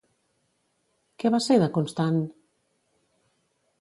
Què va ser de Constant?